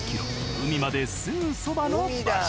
海まですぐそばの場所。